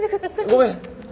ごめん。